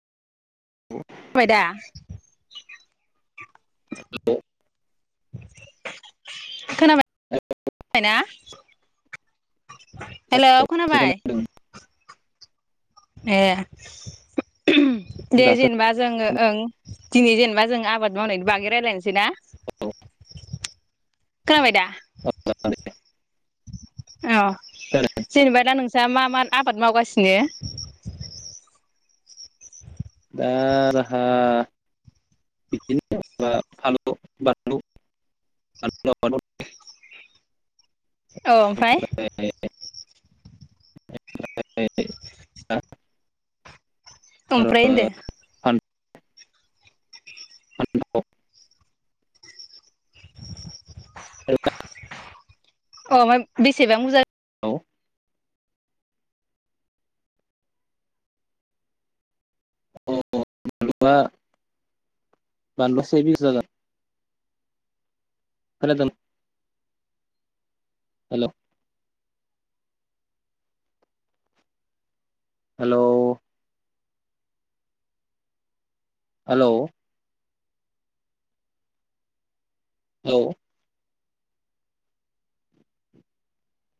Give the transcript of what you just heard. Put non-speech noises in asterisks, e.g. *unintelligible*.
खोनाबायदा? औ। *unintelligible* खोनाबाय खोनाबायना? हेल' खोनाबाय? ए दे दासो जेनेबा जोङो खोनादों ओं दिनै जेनेबा जों आबाद मावनायनि बागै रायलायनोसै ना खोनाबाय दा? अ जेनेबा दा नों नोस्रा मा मा आबाद मावगासिनो? दा जोंहा बिदिनो फानलु बानलु बानलु आबाद मावदों। औ ओमफ्राय ओमफ्राय ओमफ्राय होनदों *unintelligible* अ ओमफ्राय बेसेबां बुरजा? अ बानलुआ से बिगासो जागोन। खोनादों? हेल' हेल' हेल' औ।